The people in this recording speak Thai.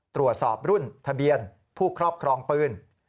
ตรวจสอบรุ่นทะเบียนผู้ครอบครองปืน